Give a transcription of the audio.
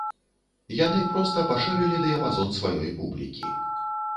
Яны проста пашырылі дыяпазон сваёй публікі.